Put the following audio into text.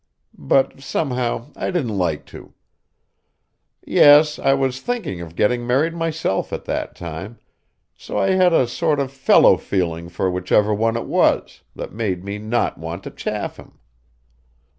But, somehow, I didn't like to. Yes, I was thinking of getting married myself at that time, so I had a sort of fellow feeling for whichever one it was, that made me not want to chaff him.